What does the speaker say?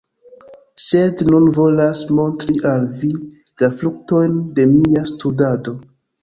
Sed nun volas montri al vi la fruktojn de mia studado.